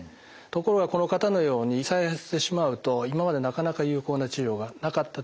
ところがこの方のように再発してしまうと今までなかなか有効な治療がなかったというのが現状です。